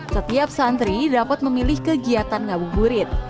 setiap santri dapat memilih kegiatan ngabuh burit